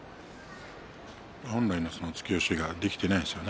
本来の突き押しができていないですね。